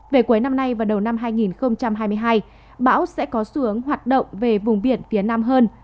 về cuối năm nay và đầu năm hai nghìn hai mươi hai bão sẽ có xuống hoạt động về vùng biển phía nam hơn